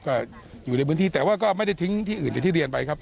ก็อยู่ในพื้นที่แต่ว่าก็ไม่ได้ทิ้งที่อื่นอย่างที่เรียนไปครับ